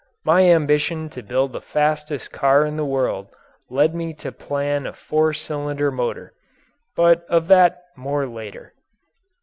My ambition to build the fastest car in the world led me to plan a four cylinder motor. But of that more later.